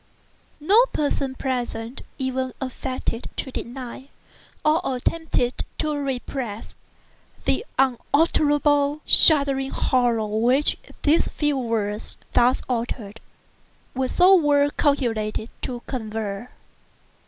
No person present even affected to deny, or attempted to repress, the unutterable, shuddering horror which these few words, thus uttered, were so well calculated to convey.